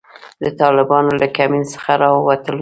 د طالبانو له کمین څخه را ووتلو.